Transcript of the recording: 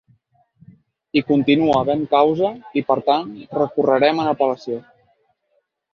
Hi continua havent causa i per tant recorrerem en apel·lació.